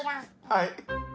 はい。